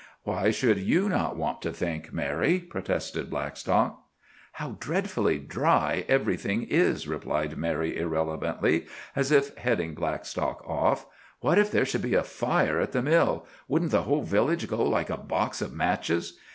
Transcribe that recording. "Why should you not want to think, Mary?" protested Blackstock. "How dreadfully dry everything is," replied Mary irrelevantly, as if heading Blackstock off. "What if there should be a fire at the mill? Wouldn't the whole village go, like a box of matches?